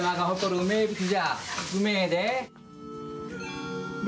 うめえで。